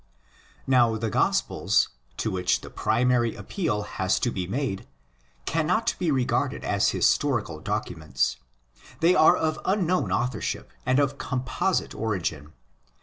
Now the Gospels, to which the primary appeal has to be made, cannot be regarded as historical docu ments. They are of unknown authorship and of composite origin.